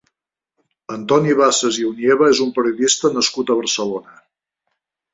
Antoni Bassas i Onieva és un periodista nascut a Barcelona.